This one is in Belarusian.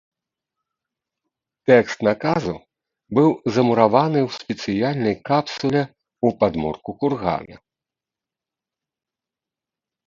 Тэкст наказу быў замураваны ў спецыяльнай капсуле ў падмурку кургана.